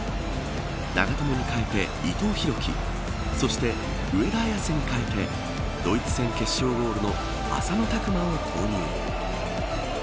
長友に変えて伊藤洋輝そして上田綺世に代えてドイツ戦決勝ゴールの浅野拓磨を投入。